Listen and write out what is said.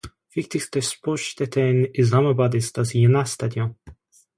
Wichtigste Sportstätte in Islamabad ist das Jinnah-Stadion.